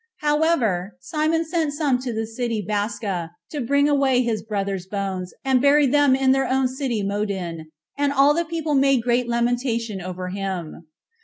However, Simon sent some to the city Basca to bring away his brother's bones, and buried them in their own city Modin; and all the people made great lamentation over him.